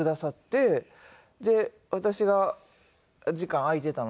で私が時間空いていたので。